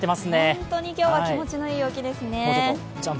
本当に今日は気持ちいい陽気ですね。